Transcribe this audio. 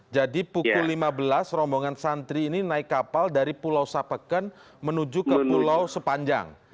jadi pukul lima belas rombongan santri ini naik kapal dari pulau sapekan menuju ke pulau sepanjang